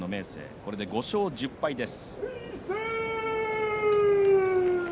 これで５勝１０敗です。